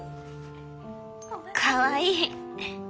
かわいい。